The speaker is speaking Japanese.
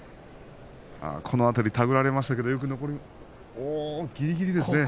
この辺り、手繰られましたがよく残りぎりぎりですね。